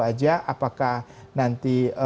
aja apakah nanti